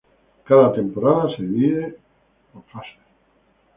Cada temporada se divide por fases.